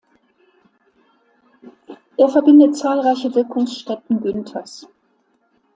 Er verbindet zahlreiche Wirkungsstätten Günthers.